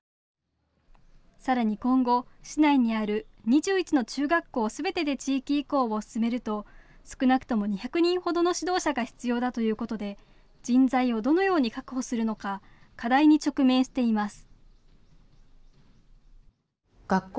さらに今後、市内にある２１の中学校すべてで地域移行を進めると、少なくとも２００人ほどの指導者が必要だということで人材をどのように確保するのか課題に直面しています。